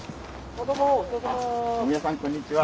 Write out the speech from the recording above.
大宮さんこんにちは。